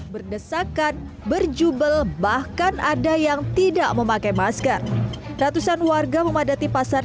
berdesakan berjubel bahkan ada yang tidak memakai masker ratusan warga memadati pasar